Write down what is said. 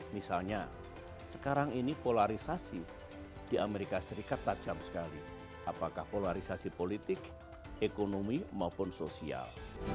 misalnya sekarang ini polarisasi di amerika serikat tajam sekali apakah polarisasi politik ekonomi maupun sosial